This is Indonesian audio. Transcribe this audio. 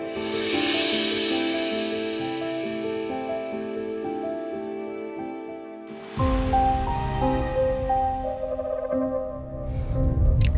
aku mau ngajuin dia